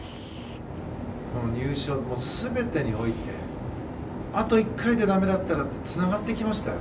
入賞も、全てにおいてあと１回でだめだったらつながっていきましたよ。